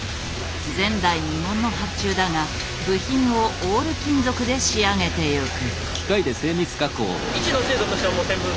前代未聞の発注だが部品をオール金属で仕上げてゆく。